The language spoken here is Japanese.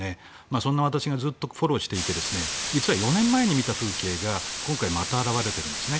そんな私がずっとフォローしていて実は４年前に見た風景が今回、また現れているんですね。